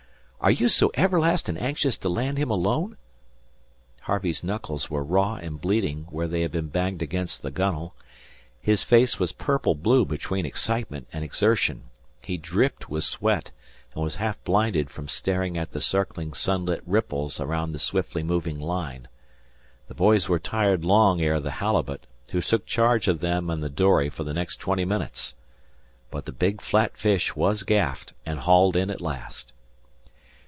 Are you so everlastin' anxious to land him alone?" Harvey's knuckles were raw and bleeding where they had been banged against the gunwale; his face was purple blue between excitement and exertion; he dripped with sweat, and was half blinded from staring at the circling sunlit ripples about the swiftly moving line. The boys were tired long ere the halibut, who took charge of them and the dory for the next twenty minutes. But the big flat fish was gaffed and hauled in at last.